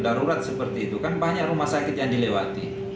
darurat seperti itu kan banyak rumah sakit yang dilewati